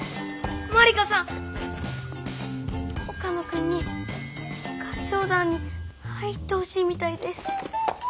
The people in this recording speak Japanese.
まりかさん岡野君に合唱団に入ってほしいみたいです。